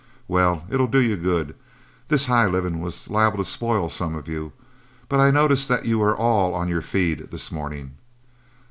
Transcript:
Well, it'll do you good; this high living was liable to spoil some of you, but I notice that you are all on your feed this morning.